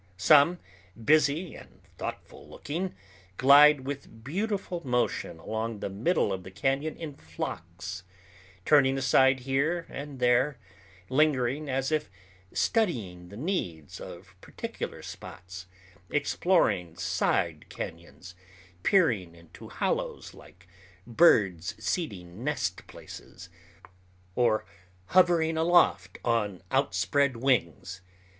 Some, busy and thoughtful looking, glide with beautiful motion along the middle of the cañon in flocks, turning aside here and there, lingering as if studying the needs of particular spots, exploring side cañons, peering into hollows like birds seeding nest places, or hovering aloft on outspread wings.